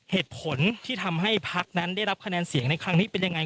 เหตุผลที่ทำให้พักนั้นได้รับคะแนนเสียงในครั้งนี้เป็นยังไง